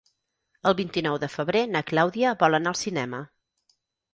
El vint-i-nou de febrer na Clàudia vol anar al cinema.